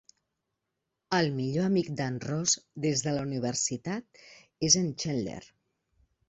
El millor amic d'en Ross des de la universitat és en Chandler.